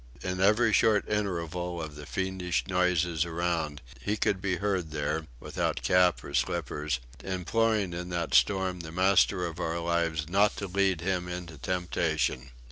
In every short interval of the fiendish noises around he could be heard there, without cap or slippers, imploring in that storm the Master of our lives not to lead him into temptation.